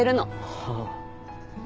はあ。